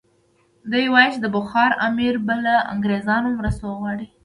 دی وایي چې د بخارا امیر به له انګریزانو مرسته وغواړي.